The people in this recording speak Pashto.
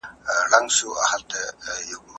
له فرانسې څخه هم زاړه کتابونه ورک شول.